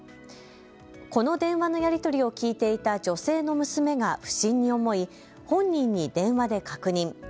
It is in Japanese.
この電話のやり取りを聞いていた女性の娘が不審に思い本人に電話で確認。